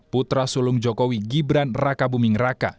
putra sulung jokowi gibran rakabuming raka